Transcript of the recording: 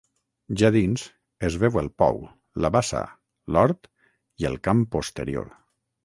Ja dins, es veu el pou, la bassa, l'hort i el camp posterior.